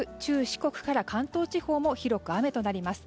四国から関東地方も広く雨となります。